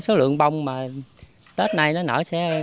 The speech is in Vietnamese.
số lượng bông mà tết nay nó nở sẽ